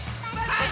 はい！